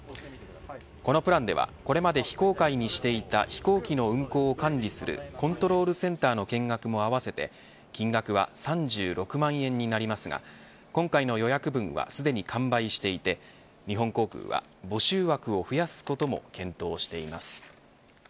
このプランではこれまで非公開にしていた飛行機の運航を管理するコントロールセンターの見学も合わせて金額は３６万円になりますが今回の予約分はすでに完売していて日本航空は募集枠を増やすことも検討しています。